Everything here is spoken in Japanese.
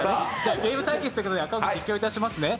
ゲーム対決ということで赤荻、実況しますね。